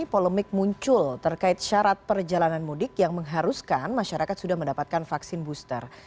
polemik muncul terkait syarat perjalanan mudik yang mengharuskan masyarakat sudah mendapatkan vaksin booster